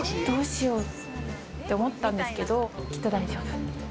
どうしようって思ったんですけど、きっと大丈夫。